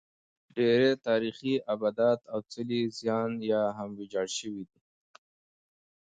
ډېری تاریخي ابدات او څلي یې زیان یا هم ویجاړ شوي دي